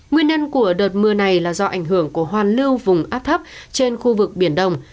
nguyên nhân của đợt mưa này là do ảnh hưởng của hoàn lưu vùng áp thấp trên khu vực biển đông